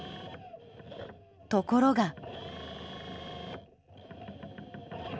ところが。